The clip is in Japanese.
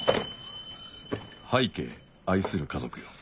拝啓愛する家族よ